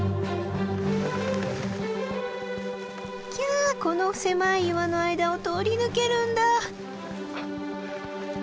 キャこの狭い岩の間を通り抜けるんだ。